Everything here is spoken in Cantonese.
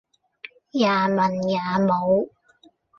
也文也武